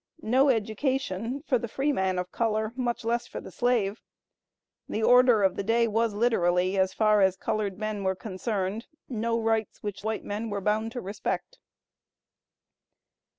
No education for the freeman of color, much less for the slave. The order of the day was literally, as far as colored men were concerned: "No rights which white men were bound to respect."